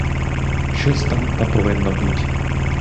Щось там та повинно буть.